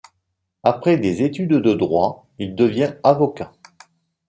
Après des études de droit il devient avocat.